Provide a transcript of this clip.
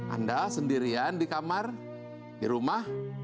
anda sendirian di kamar di rumah